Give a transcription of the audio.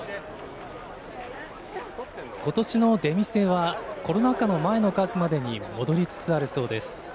今年の出店はコロナ禍の前の数までに戻りつつあるそうです。